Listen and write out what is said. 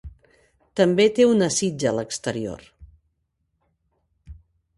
També té una sitja a l'exterior.